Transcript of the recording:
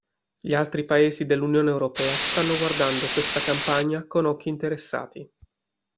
Gli altri paesi dell'unione europea stanno guardando questa campagna con occhi interessati.